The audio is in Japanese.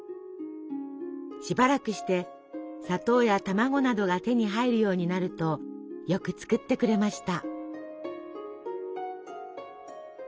しばらくして砂糖や卵などが手に入るようになるとよく作ってくれました。